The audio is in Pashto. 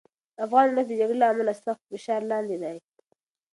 افغان ولس د جګړې له امله سخت فشار لاندې دی.